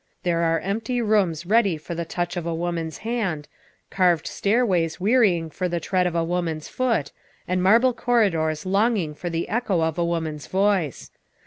There are empty rooms ready for the touch of a woman's hand, carved stairways wearying for the tread of a woman's foot, and marble corridors longing for the echo of a woman's voice.